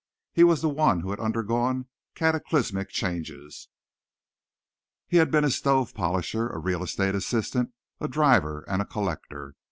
He was the one who had undergone cataclysmic changes. He had a been a stove polisher, a real estate assistant, a driver and a collector.